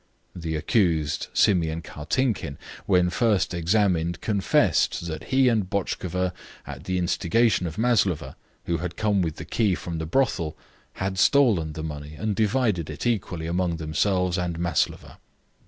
The accused Simeon Kartinkin, when first examined, confessed that he and Botchkova, at the instigation of Maslova, who had come with the key from the brothel, had stolen the money and divided it equally among themselves and Maslova."